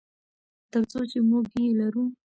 تر څو چې موږ یې لرو.